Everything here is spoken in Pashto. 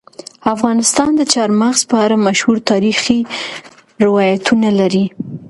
افغانستان د چار مغز په اړه مشهور تاریخي روایتونه لري.